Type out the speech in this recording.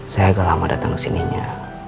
saya agak lama datang kesininya